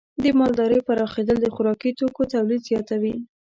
د مالدارۍ پراخېدل د خوراکي توکو تولید زیاتوي.